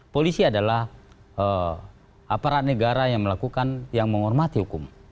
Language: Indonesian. polisi adalah aparat negara yang melakukan yang menghormati hukum